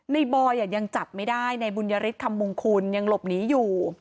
บอยยังจับไม่ได้ในบุญยฤทธคำมงคุณยังหลบหนีอยู่